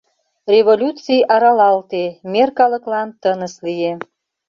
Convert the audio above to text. Революций аралалте, мер калыклан тыныс лие.